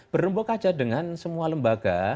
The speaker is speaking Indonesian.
berhubung saja dengan semua lembaga